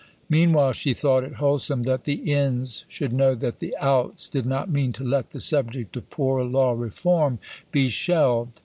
Meanwhile she thought it wholesome that the "ins" should know that the "outs" did not mean to let the subject of Poor Law Reform be shelved.